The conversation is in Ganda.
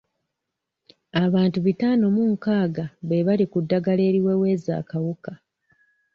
Abantu bitaano mu mukaaga be bali ku ddagala eriweweeza akawuka.